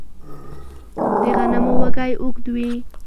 د غنمو وږی اوږد وي.